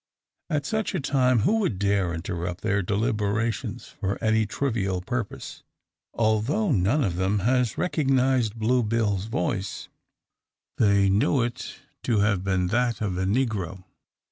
At such a time who would dare interrupt their deliberations for any trivial purpose? Although none of them has recognised Blue Bill's voice, they know it to have been that of a negro.